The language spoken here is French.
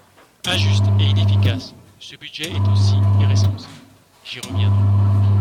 Injuste et inefficace, ce budget est aussi irresponsable, j’y reviendrai.